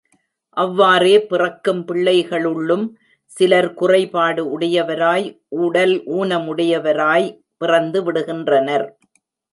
அவ்வாறே பிறக்கும் பிள்ளைகளுள்ளும் சிலர் குறைபாடு உடையவராய் உடல் ஊனமுடையவராய்ப் பிறந்து விடுகின்றனர்.